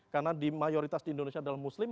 karena di mayoritas di indonesia adalah muslim